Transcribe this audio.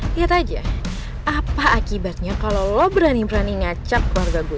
lihat aja apa akibatnya kalau lo berani berani ngacak keluarga gue